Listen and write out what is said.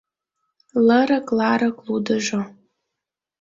Лырык-ларык лудыжо